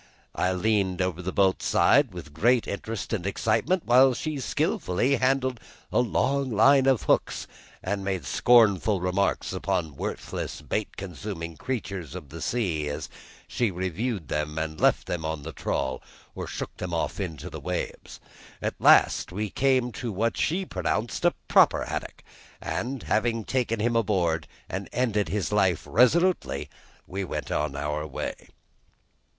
I leaned over the boat's side with great interest and excitement, while she skillfully handled the long line of hooks, and made scornful remarks upon worthless, bait consuming creatures of the sea as she reviewed them and left them on the trawl or shook them off into the waves. At last we came to what she pronounced a proper haddock, and having taken him on board and ended his life resolutely, we went our way.